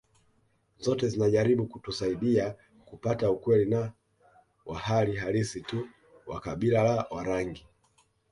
Zote zinajaribu kutusaidia kupata ukweli wa hali halisi tu wa kabila la Warangi